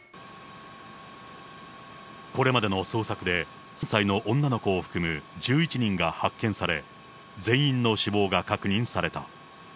これまでの捜索で、３歳の女の子を含む１１人が発見され、全員の死亡が確認された。